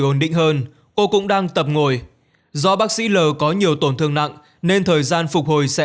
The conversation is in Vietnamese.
ổn định hơn cô cũng đang tập ngồi do bác sĩ l có nhiều tổn thương nặng nên thời gian phục hồi sẽ